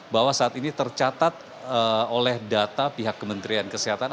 bahwa saat ini tercatat oleh data pihak kementerian kesehatan